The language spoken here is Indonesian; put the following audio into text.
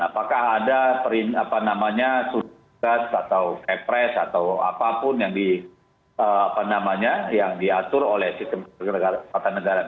apakah ada perin apa namanya sudut tugas atau repress atau apapun yang di apa namanya yang diatur oleh sistem ketatanegaraan